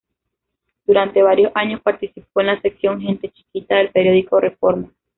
Durante varios años participó en la sección Gente Chiquita del periódico Reforma.